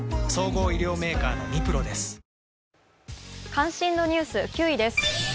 「関心度ニュース」９位です。